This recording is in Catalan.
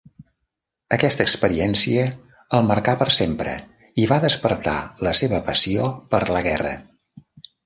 Aquesta experiència el marcà per sempre i va despertar la seva passió per la guerra.